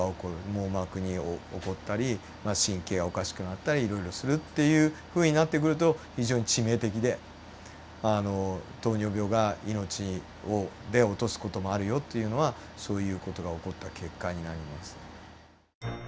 網膜に起こったりまあ神経がおかしくなったりいろいろするっていうふうになってくると非常に致命的で糖尿病が命をで落とす事もあるよっていうのはそういう事が起こった結果になります。